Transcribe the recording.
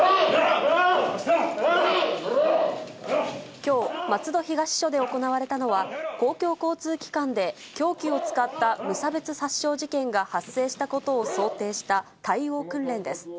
きょう、松戸東署で行われたのは、公共交通機関で凶器を使った無差別殺傷事件が発生したことを想定した、対応訓練です。